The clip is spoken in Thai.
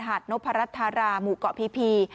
หัตนพระรัชธาราหมู่เกาะพี